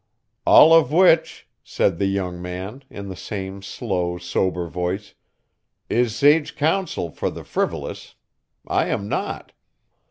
"All of which," said the young man, in the same slow, sober voice, "is sage counsel for the frivolous. I am not.